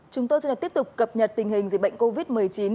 chúng tôi sẽ tiếp tục cập nhật tình hình dịch bệnh covid một mươi chín